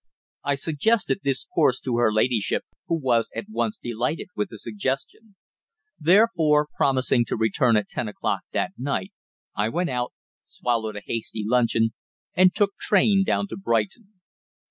I suggested this course to her ladyship, who was at once delighted with the suggestion. Therefore, promising to return at ten o'clock that night, I went out, swallowed a hasty luncheon, and took train down to Brighton.